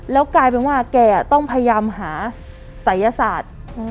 แล้วกลายเป็นว่าแกต้องพยายามหาศัยศาสตร์